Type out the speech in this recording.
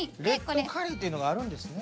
レッドカレーっていうのがあるんですね。